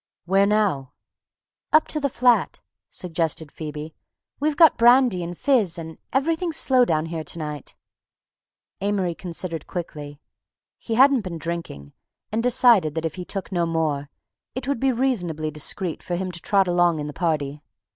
"Where now?" "Up to the flat," suggested Phoebe. "We've got brandy and fizz—and everything's slow down here to night." Amory considered quickly. He hadn't been drinking, and decided that if he took no more, it would be reasonably discreet for him to trot along in the party.